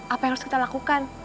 apa yang harus kita lakukan